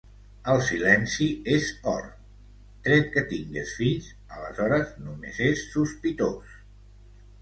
El silenci és or, tret que tingues fills; aleshores només és sospitós...